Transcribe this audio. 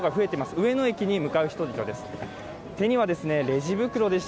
上野駅に向かう人々です。